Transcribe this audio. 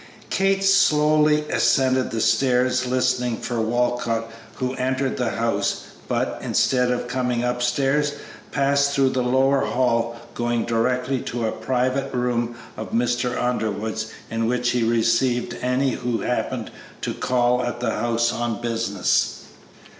Kate slowly ascended the stairs, listening for Walcott, who entered the house, but, instead of coming upstairs, passed through the lower hall, going directly to a private room of Mr. Underwood's in which he received any who happened to call at the house on business.